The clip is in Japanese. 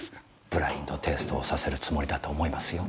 ブラインド・テイストをさせるつもりだと思いますよ。